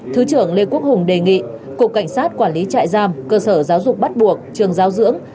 thứ trưởng lê quốc hùng đề nghị cục cảnh sát quản lý trại giam cơ sở giáo dục bắt buộc trường giáo dưỡng